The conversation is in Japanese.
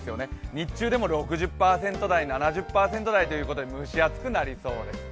日中でも６０％台、７０％台が多くて蒸し暑くなりそうです。